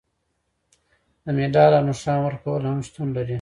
د مډال او نښان ورکول هم شتون لري.